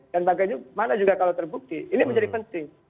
dan bagaimana juga kalau terbukti ini menjadi penting